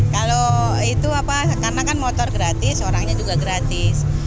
kalau itu apa karena kan motor gratis orangnya juga gratis